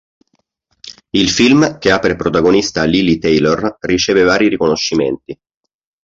Il film, che ha per protagonista Lili Taylor, riceve vari riconoscimenti.